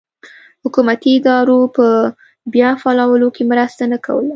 حکومتي ادارو په بیا فعالولو کې مرسته نه کوله.